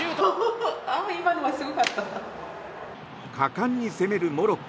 果敢に攻めるモロッコ。